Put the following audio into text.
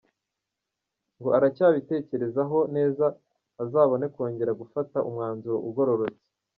Ngo aracyabitekerezaho neza azabone kongera gufata umwanzuro ugororotse.